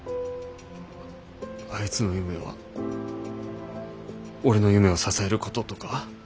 あいつの夢は俺の夢を支えることとか？